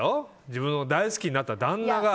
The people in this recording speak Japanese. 自分を大好きになった旦那が。